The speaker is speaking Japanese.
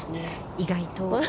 意外と。